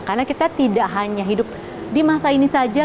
karena kita tidak hanya hidup di masa ini saja